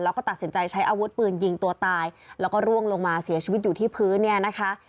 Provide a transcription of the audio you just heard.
แล้วก็ตัดสินใจใช้อาวุธปืนยิงตัวตายแล้วก็ร่วงลงมาเสียชีวิตอยู่ที่พื้นเนี่ยนะคะ